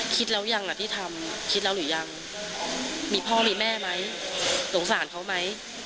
คิดแล้วยังที่ทำคิดแล้วหรือยังมีพ่อมีแม่ไหมสงสารเขาไหม